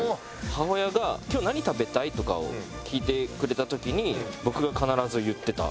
母親が「今日何食べたい？」とかを聞いてくれた時に僕が必ず言ってた。